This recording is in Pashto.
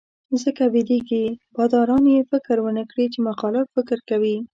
ځکه وېرېږي باداران یې فکر ونکړي چې مخالف فکر کوي.